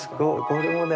これもね。